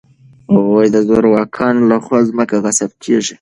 د زورواکانو له خوا ځمکې غصب کېږي.